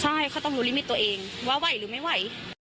ใช่เขาต้องรู้ลิมิตตัวเองว่าไหวหรือไม่ไหว